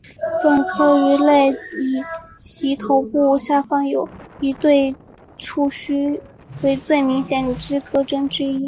本科鱼类以其头部下方有一对触须为最明显之特征之一。